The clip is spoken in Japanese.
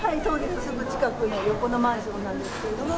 すぐ近くの横のマンションなんですけれども。